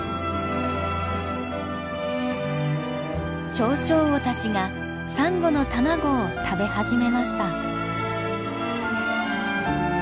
チョウチョウウオたちがサンゴの卵を食べ始めました。